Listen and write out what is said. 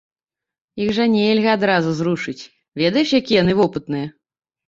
Іх жа нельга адразу зрушыць, ведаеш якія яны вопытныя?